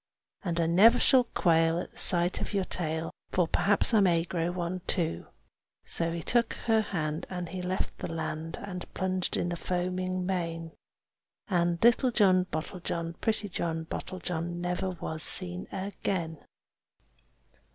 And I never shall quail at the sight of your tail, For perhaps I may grow one too." So he took her hand, and he left the land, And plunged in the foaming main. And little John Bottlejohn, pretty John Bottlejohn, Never was seen again.